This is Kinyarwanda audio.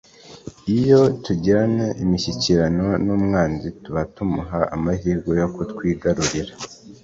Iyo tugirana imishyikirano n'umwanzi, tuba tumuha amahirwe yo kutwigarurira.